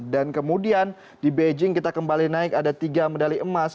dan kemudian di beijing kita kembali naik ada tiga medali emas